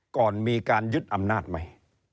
ก่อนมีการยึดอำนาจไหม